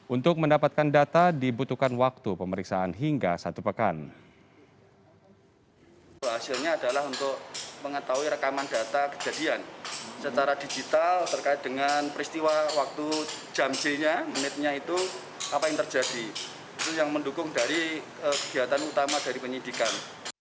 untuk mendapatkan data dibutuhkan waktu pemeriksaan hingga satu pekan